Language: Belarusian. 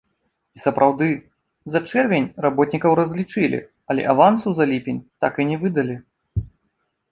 І сапраўды, за чэрвень работнікаў разлічылі, але авансу за ліпень так і не выдалі.